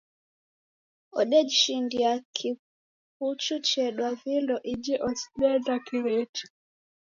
Odejishindia kikuchu chedwa vindo iji osindeenda kireti.